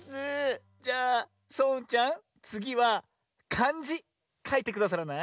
じゃあそううんちゃんつぎはかんじかいてくださらない？